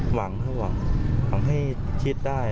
หวังถ้าหวังหวังให้คิดได้